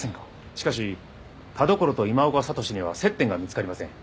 しかし田所と今岡智司には接点が見つかりません。